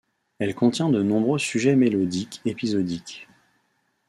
Elle contient de nombreux sujets mélodiques épisodiques.